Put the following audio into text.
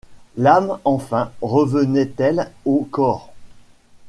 L’âme, enfin, revenait-elle au corps?